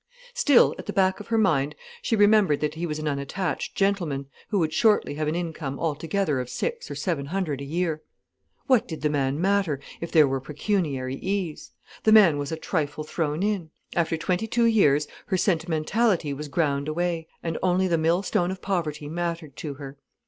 Still, at the back of her mind, she remembered that he was an unattached gentleman, who would shortly have an income altogether of six or seven hundred a year. What did the man matter, if there were pecuniary ease! The man was a trifle thrown in. After twenty two years her sentimentality was ground away, and only the millstone of poverty mattered to her.